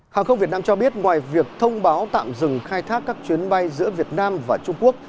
hàng không việt nam cho biết ngoài việc thông báo tạm dừng khai thác các chuyến bay giữa việt nam và trung quốc